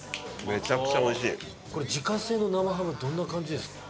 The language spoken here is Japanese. これ自家製の生ハムどんな感じですか？